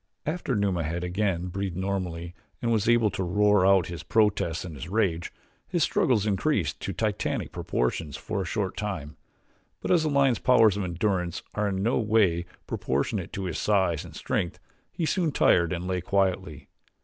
After Numa had again breathed normally and was able to roar out his protests and his rage, his struggles increased to Titanic proportions for a short time; but as a lion's powers of endurance are in no way proportionate to his size and strength he soon tired and lay quietly.